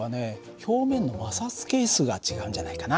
表面の摩擦係数が違うんじゃないかな。